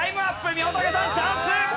みほとけさんチャンス！